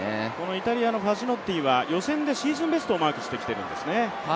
イタリアのファッシノッティは予選でシーズンベストをマークしてきているんですね。